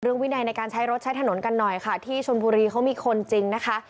วินัยในการใช้รถใช้ถนนกันหน่อยค่ะที่ชนบุรีเขามีคนจริงนะคะ